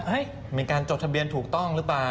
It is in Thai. เป็นการจดทะเบียนถูกต้องหรือเปล่า